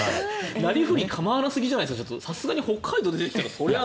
なりふり構わなさすぎじゃないですかそれは北海道が出てきたら。